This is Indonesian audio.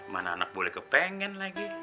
mana anak boleh kepengen lagi